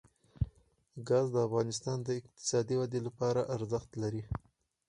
ګاز د افغانستان د اقتصادي ودې لپاره ارزښت لري.